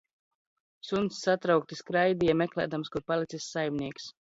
Suns satraukti skraidīja, meklēdams, kur palicis saimnieks